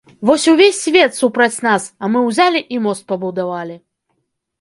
Вось увесь свет супраць нас, а мы ўзялі і мост пабудавалі.